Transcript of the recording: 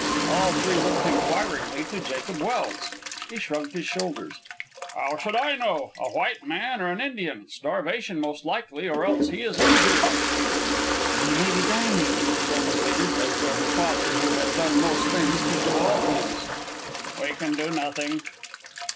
All three looked inquiringly to Jacob Welse. He shrugged his shoulders. "How should I know? A white man or an Indian; starvation most likely, or else he is injured." "But he may be dying," Frona pleaded, as though her father, who had done most things, could do all things. "We can do nothing."